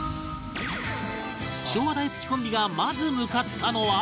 昭和大好きコンビがまず向かったのは